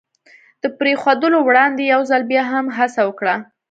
د پرېښودلو وړاندې یو ځل بیا هم هڅه وکړه.